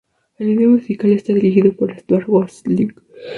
El video musical está dirigido por Stuart Gosling.